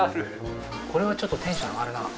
これはちょっとテンション上がるな。